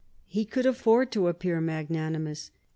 He could afford to appear magnanimous.